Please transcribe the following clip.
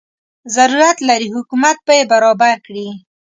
ضرورت لري حکومت به یې برابر کړي.